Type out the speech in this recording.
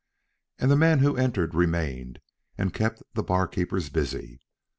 And the men who entered remained, and kept the barkeepers busy.